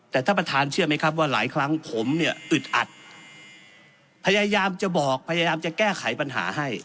แต่ท่านประธานเชื่อไหมครับว่าหลายครั้งผมเนี่ยอึดอัดพยายามจะบอกพยายามจะแก้ไขปัญหาให้